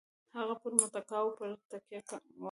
هغه پر متکاوو پر تکیه وه.